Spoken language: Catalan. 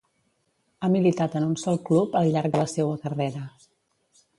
Ha militat en un sol club al llarg de la seua carrera.